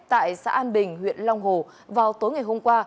tại xã an bình huyện long hồ vào tối ngày hôm qua